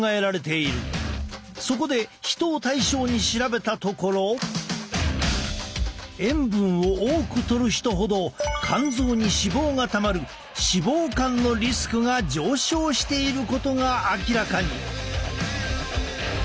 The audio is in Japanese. そこで人を対象に調べたところ塩分を多くとる人ほど肝臓に脂肪がたまる脂肪肝のリスクが上昇していることが明らかに。